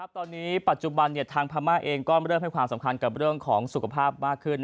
ตอนนี้ปัจจุบันทางพม่าเองก็เริ่มให้ความสำคัญกับเรื่องของสุขภาพมากขึ้น